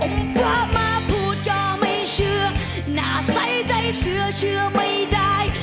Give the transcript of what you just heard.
เธอมาพูดก็ไม่เชื่อน่าใส่ใจเสื้อเชื่อไม่ได้